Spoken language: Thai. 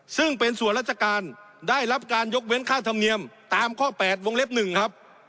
ซึ่งเป็นส่วนราชการได้รับการยกเว้นค่าธรรมเนียมตามข้อ๘วงเล็บ๑ครับ